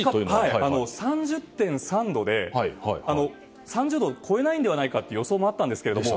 ３０．３度で、３０度を超えないのではないかという予想もあったんですけども